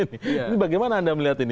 ini bagaimana anda melihat ini